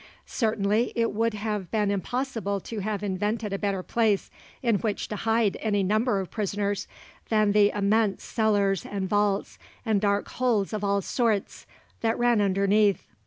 Certainly it would have been impossible to have invented a better place in which to hide any number of prisoners than the immense cellars and vaults and dark holes of all sorts, that ran underneath.